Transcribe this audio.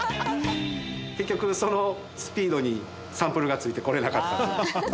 結局そのスピードにサンプルがついてこれなかった。